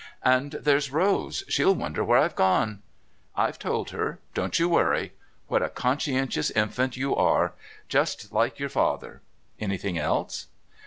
"And there's Rose. She'll wonder where I've gone." "I've told her. Don't you worry. What a conscientious infant you are. Just like your father. Anything else?"